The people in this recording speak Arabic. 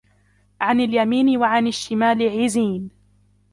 عَنِ الْيَمِينِ وَعَنِ الشِّمَالِ عِزِينَ